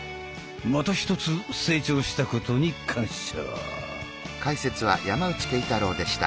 またひとつ成長したことに感謝！